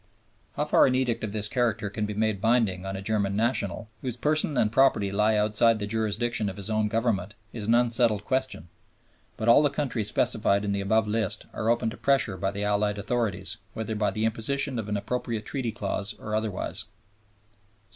How far an edict of this character can be made binding on a German national, whose person and property lie outside the jurisdiction of his own Government, is an unsettled question; but all the countries specified in the above list are open to pressure by the Allied authorities, whether by the imposition of an appropriate Treaty clause or otherwise.